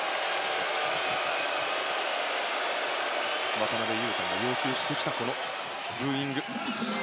渡邊雄太が要求していたブーイング。